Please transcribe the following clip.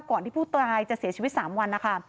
ก่อนที่ผู้ตายจะเสียชีวิต๓วันนะคะ